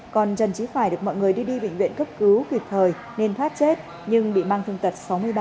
còn trần trí khải được mọi người đi đi bệnh viện cấp cứu kịp thời nên thoát chết nhưng bị mang thương tật sáu mươi ba